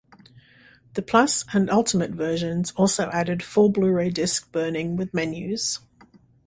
The Plus and Ultimate versions also added full Blu-ray disc burning with menus.